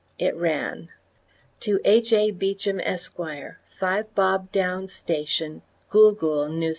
It ran: To H. A. BEECHAM, Esq., Five Bob Downs Station, Gool Gool, N.S.